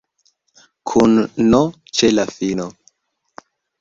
Kun n ĉe la fino?